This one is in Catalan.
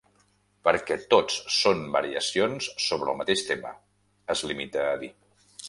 Perquè tots són variacions sobre el mateix tema —es limita a dir.